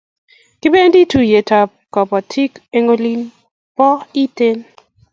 Kibendi tuiyet ab kabotik eng olin po Iten